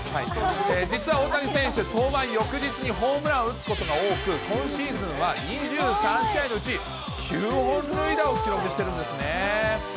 実は大谷選手、登板翌日にホームランを打つことが多く、今シーズンは２３試合のうち、９本塁打を記録してるんですね。